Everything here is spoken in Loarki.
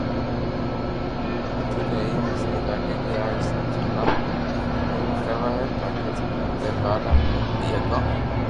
مني تو ايم سھي لاگي ڪي اج سب جملا پئرا ڪروا ھي تاڪي سب ري ڀآرو ھوئي ھگو